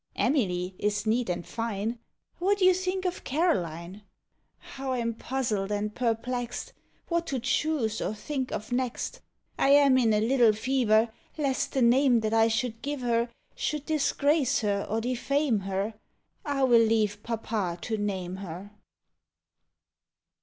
Emily is neat and fine; What do you think of Caroline? How I *m puzzled and perplexed What to choose or think of next! I am in a little fever Lest the name that I should give her POEMS OF HOME. Bhould disgrace her or defame her; — 1 will leave papa to name her.